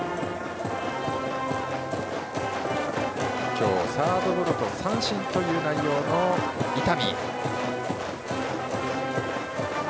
今日、サードゴロと三振という内容の伊丹。